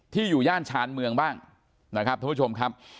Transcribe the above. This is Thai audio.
อยู่ย่านชานเมืองบ้างนะครับท่านผู้ชมครับ